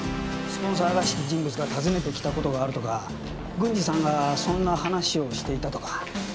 スポンサーらしき人物が訪ねてきた事があるとか軍司さんがそんな話をしていたとか。